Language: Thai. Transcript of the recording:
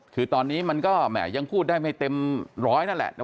คือตอนนี้มันก็แหมยังพูดได้ไม่เต็มร้อยนั่นแหละ